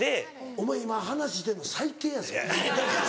お前今話してんの最低やぞ。